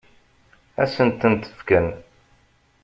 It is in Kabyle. Ad sent-tent-fkent?